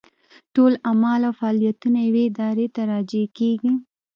ټول اعمال او فاعلیتونه یوې ارادې ته راجع کېږي.